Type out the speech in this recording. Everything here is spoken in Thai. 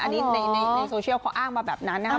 อันนี้ในโซเชียลเขาอ้างมาแบบนั้นนะครับ